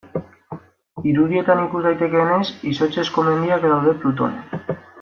Irudietan ikus daitekeenez, izotzezko mendiak daude Plutonen.